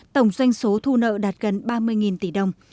tổng doanh số thu nợ đạt gần ba mươi tỷ đồng